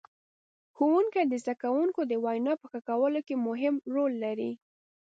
ښوونکي د زدهکوونکو د وینا په ښه کولو کې مهم رول لري.